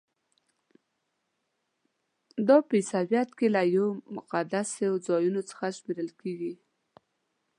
دا په عیسویت کې یو له مقدسو ځایونو څخه شمیرل کیږي.